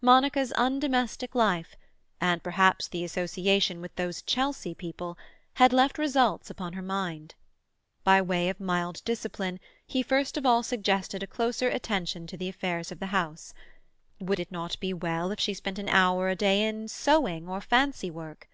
Monica's undomestic life, and perhaps the association with those Chelsea people, had left results upon her mind. By way of mild discipline, he first of all suggested a closer attention to the affairs of the house. Would it not be well if she spent an hour a day in sewing or fancy work?